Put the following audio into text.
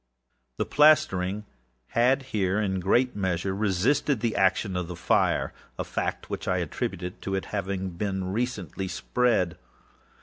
The plastering had here, in great measure, resisted the action of the fireâa fact which I attributed to its having been recently spread.